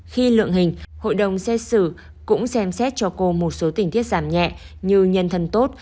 khi lượng hình hội đồng xét xử cũng xem xét cho cô một số tình tiết giảm nhẹ như nhân thân tốt